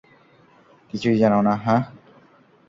কিছুই জানো না, হাহ?